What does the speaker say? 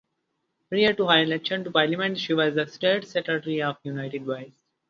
Prior to her election to parliament she was the state secretary of United Voice.